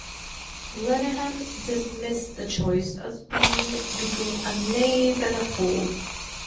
Lenihan dismissed the choice as being between a "knave and a fool".